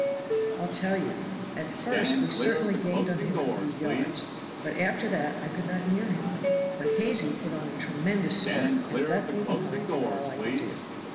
"I'll tell you. At first we certainly gained on him a few yards, but after that I could not near him. But Hazy put on a tremendous spurt, and left me behind for all I could do.